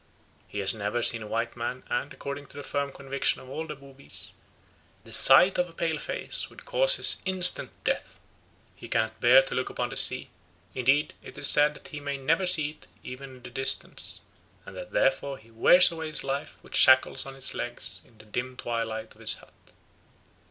He has never seen a white man and, according to the firm conviction of all the Boobies, the sight of a pale face would cause his instant death. He cannot bear to look upon the sea; indeed it is said that he may never see it even in the distance, and that therefore he wears away his life with shackles on his legs in the dim twilight of his hut.